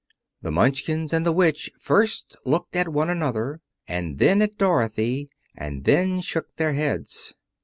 The Munchkins and the Witch first looked at one another, and then at Dorothy, and then shook their heads.